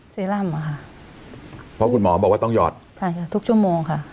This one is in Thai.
สี่ร่ำอ่ะค่ะเพราะคุณหมอบอกว่าต้องหยอดใช่ค่ะทุกชั่วโมงค่ะ